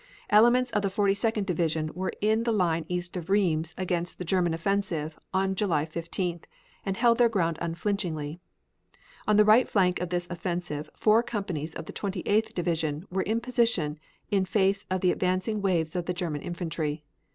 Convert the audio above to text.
Elements of the Forty second Division were in the line east of Rheims against the German offensive of July 15th, and held their ground unflinchingly. On the right flank of this offensive four companies of the Twenty eighth Division were in position in face of the advancing waves of the German infantry.